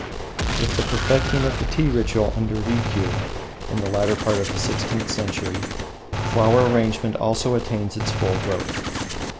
With the perfecting of the tea ritual under Rikiu, in the latter part of the sixteenth century, flower arrangement also attains its full growth.